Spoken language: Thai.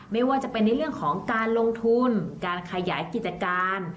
ไม่ว่าจะเป็นในเรื่องของการลงทุนการขยายกิจการ